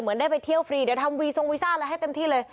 เหมือนได้ไปเที่ยวฟรีเดี๋ยวทำวีซ่องวีซ่าแล้วให้เต็มที่เลย